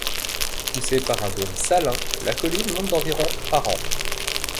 Poussée par un dôme salin, la colline monte d'environ par an.